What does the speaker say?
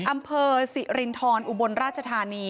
อำเภอสิรินทรอุบลราชธานี